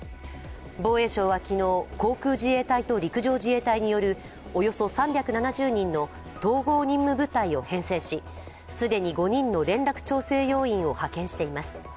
防衛省は昨日、航空自衛隊と陸上自衛隊によるおよそ３７０人の統合任務部隊を編成し既に５人の連絡調整要員を派遣しています。